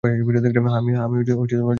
হ্যাঁ, আমি যুদ্ধের মধ্যে ছিলাম।